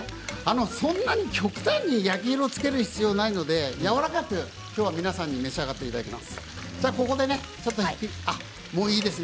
そんなに極端に焼き色をつける必要はないので今日はやわらかく皆さんに召し上がっていただきたいと思います。